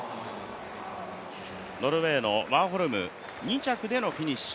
ノルウェーのワーホルム、２着でのフィニッシュ。